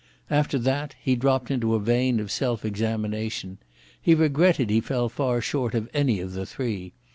After that he dropped into a vein of self examination. He regretted that he fell far short of any of the three.